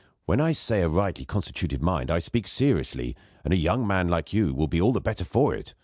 When I say a rightly constituted mind I speak seriously; and a young man like you will be all the better for it.